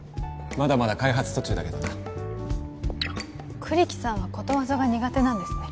まだまだ開発途中だけどな栗木さんはことわざが苦手なんですね